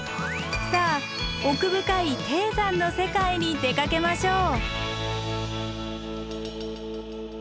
さあ奥深い低山の世界に出かけましょう。